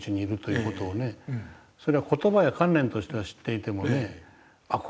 それは言葉や観念としては知っていてもねあっ